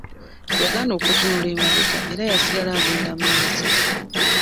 Yagaana okutunula emabega era yasigala agenda mu maaso.